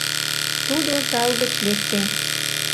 Тудо зал гыч лекте.